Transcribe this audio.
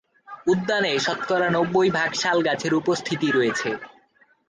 উদ্যানে শতকরা নব্বই ভাগ শাল গাছের উপস্থিতি রয়েছে।